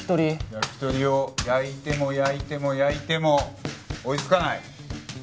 焼き鳥を焼いても焼いても焼いても追いつかない。